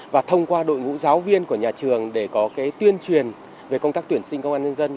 và thông qua đội ngũ giáo viên của nhà trường để có tuyên truyền về công tác tuyển sinh công an nhân dân